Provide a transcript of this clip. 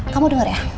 kamu dengar ya